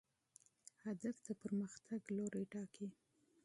هدف د خوځښت لوری ټاکي.